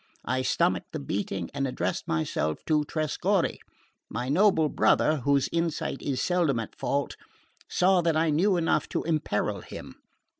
I stomached the beating and addressed myself to Trescorre. My noble brother, whose insight is seldom at fault, saw that I knew enough to imperil him.